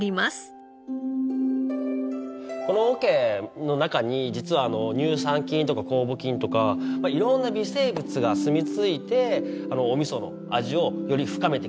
この桶の中に実は乳酸菌とか酵母菌とか色んな微生物がすみ着いてお味噌の味をより深めてくれる。